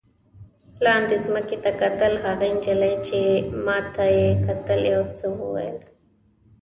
لاندې ځمکې ته کتل، هغې نجلۍ چې ما ته یې کتل یو څه وویل.